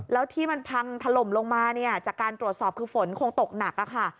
แล้วที่มันพังถล่มลงมาเนี่ยจากการตรวจสอบคือฝนคงตกหนักค่ะ